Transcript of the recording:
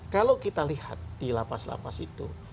kalau kita lihat di lapas lapas itu